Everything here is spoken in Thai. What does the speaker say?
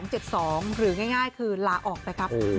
หรือง่ายคือลาออกไปครับ